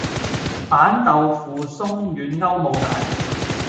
板豆腐鬆軟歐姆蛋